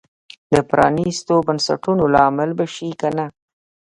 د پرانیستو بنسټونو لامل به شي که نه.